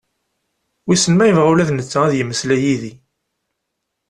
Wisen ma yebɣa ula d netta ad yemeslay d yid-i?